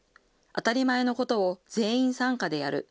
当たり前のことを全員参加でやる。